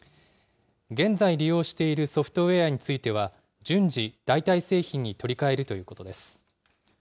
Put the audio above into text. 現在、利用しているソフトウエアについては、順次、代替製品に取り替えるということです。